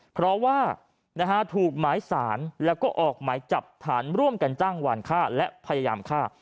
เพราะว่าถูกหมายสารแล้วก็ออกหมายจับฐานร่วมกันจ้างหวานฆ่าและพยายามฆ่า